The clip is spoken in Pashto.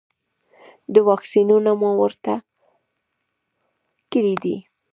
واکسینونه مو ورته کړي دي؟